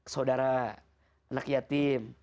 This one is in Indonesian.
saudara anak yatim